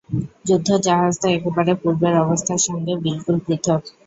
যুদ্ধ-জাহাজ তো একেবারে পূর্বের অবস্থার সঙ্গে বিলকুল পৃথক্।